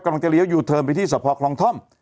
กำลังจะเลี้ยวอยู่เธอไปที่สะพอกคลองท่อม